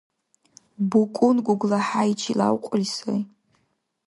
БукӀун ГуглахӀяйчи лявкьули сай.